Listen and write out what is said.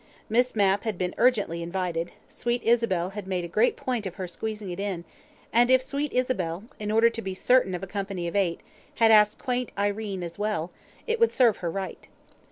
Miss Mapp had been urgently invited: sweet Isabel had made a great point of her squeezing it in, and if sweet Isabel, in order to be certain of a company of eight, had asked quaint Irene as well, it would serve her right.